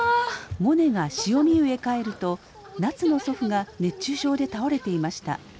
モネが汐見湯へ帰ると菜津の祖父が熱中症で倒れていました。